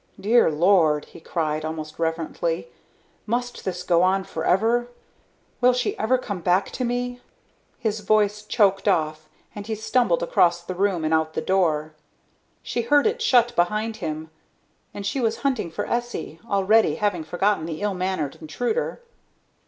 "Dear Lord," he cried, almost reverently, "must this go on forever? Will she ever come back to me?" His voice choked off and he stumbled across the room and out the door. She heard it shut behind him, and she was hunting for Essie, already having forgotten the ill mannered intruder.